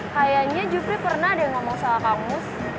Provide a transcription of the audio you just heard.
kayaknya jupri pernah ada yang ngomong soal kangus